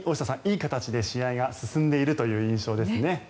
いい形で試合が進んでいるという印象ですね。